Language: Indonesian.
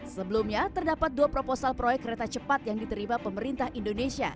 sebelumnya terdapat dua proposal proyek kereta cepat yang diterima pemerintah indonesia